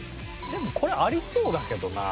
でもこれありそうだけどな。